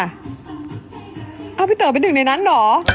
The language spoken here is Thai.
เอาพี่เต๋อเป็นหนึ่งในนั้นเหรอ